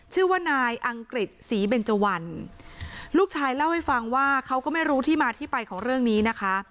ชื่อว่านายอังกฤษศรีเบนเจวันลูกชายเล่าให้ฟังว่าเขาก็ไม่รู้ที่มาที่ไปของเรื่องนี้นะคะ